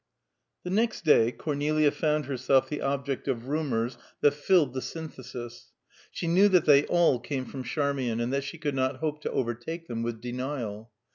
XX. The next day Cornelia found herself the object of rumors that filled the Synthesis. She knew that they all came from Charmian, and that she could not hope to overtake them with denial.